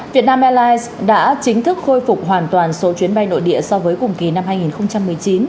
việt nam airlines đã chính thức khôi phục hoàn toàn số chuyến bay nội địa so với cùng kỳ năm hai nghìn một mươi chín